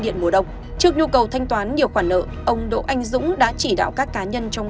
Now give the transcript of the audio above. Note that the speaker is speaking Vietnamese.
điện mùa đông trước nhu cầu thanh toán nhiều khoản nợ ông đỗ anh dũng đã chỉ đạo các cá nhân trong